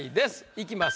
いきます。